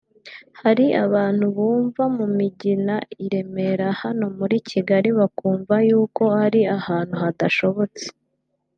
Hari abantu bumva mu Migina i Remera hano muri Kigali bakumva yuko ari ahantu hadashobotse